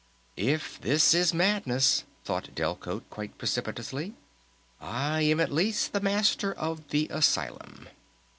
_ "If this is madness," thought Delcote quite precipitously, "I am at least the Master of the Asylum!"